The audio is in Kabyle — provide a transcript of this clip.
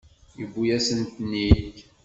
Yewwi-yasen-ten-id.